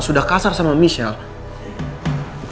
sudah kasar sama michelle